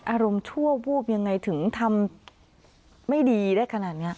อารมณ์ชั่ววูบยังไงถึงทำไม่ดีได้ขนาดนี้